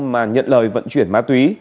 mà nhận lời vận chuyển má túy